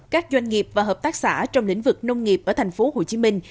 các doanh nghiệp và hợp tác xã trong lĩnh vực nông nghiệp ở thành phố hồ chí minh